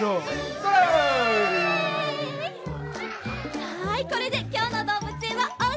はいこれできょうのどうぶつえんはおしまい。